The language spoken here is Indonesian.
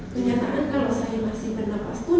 kenyataan kalau saya masih bernapas pun